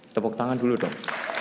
tepuk tangan dulu dong